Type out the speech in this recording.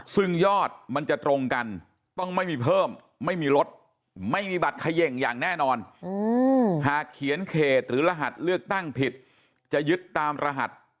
ซึ่งยอดมันจะตรงกันต้องไม่มีเพิ่มไม่มีลดไม่มีบัตรเขย่งอย่างแน่นอนหากเขียนเขตหรือรหัสเลือกตั้งผิดจะยึดตามรหัส